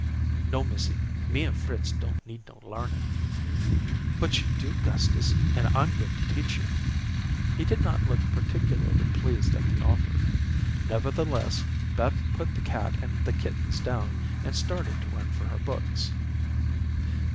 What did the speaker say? "No, missy; me an' Fritz don't need no larnin'." "But you do, Gustus, and I'm going to teach you." He did not look particularly pleased at the offer. Nevertheless, Beth put the cat and the kittens down, and started to run for her books.